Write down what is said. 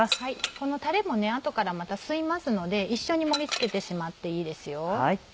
このタレも後からまた吸いますので一緒に盛り付けてしまっていいですよ。